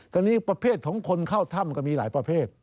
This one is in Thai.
ตอนนี้ประเภทของคนเข้าถ้ำก็มีหลายประเภท